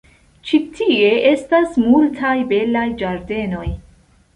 Ĉi tie estas multaj belaj ĝardenoj.